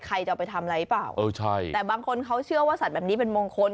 ใครจะเอาไปทำอะไรหรือเปล่าเออใช่แต่บางคนเขาเชื่อว่าสัตว์แบบนี้เป็นมงคล